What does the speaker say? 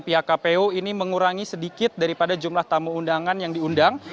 pihak kpu ini mengurangi sedikit daripada jumlah tamu undangan yang diundang